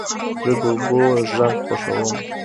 زه د اوبو غږ خوښوم.